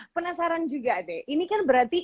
penasaran juga deh ini kan berarti